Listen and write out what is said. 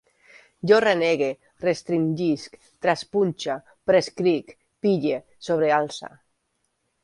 Jo renegue, restringisc, traspunxe, prescric, pille, sobrealce